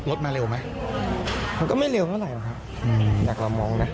รถมาเร็วไหมมันก็ไม่เร็วเท่าไหร่ค่ะอยากเรามองนะ